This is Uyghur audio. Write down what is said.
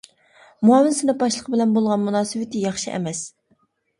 مۇئاۋىن سىنىپ باشلىقى بىلەن بولغان مۇناسىۋىتى ياخشى ئەمەس.